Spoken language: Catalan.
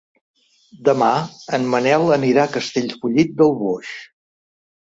Demà en Manel anirà a Castellfollit del Boix.